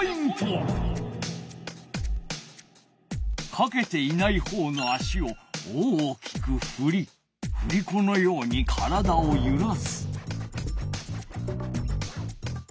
かけていないほうの足を大きくふりふりこのように体をゆらす。